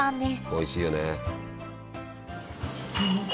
おいしいよねえ。